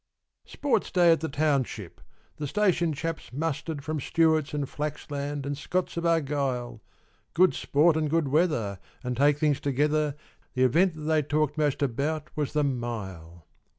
_) Sports day at the township; the station chaps mustered From Stewart's and "Flaxland" and Scott's of "Argyle;" Good sport and good weather, and take things together The event that they talked most about was the mile.